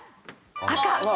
赤。